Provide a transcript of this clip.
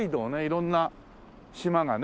色んな島がね